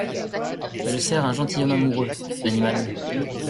Je sers un gentilhomme amoureux, — l’animal !